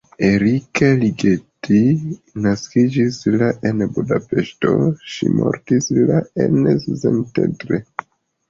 Erika Ligeti naskiĝis la en Budapeŝto, ŝi mortis la en Szentendre.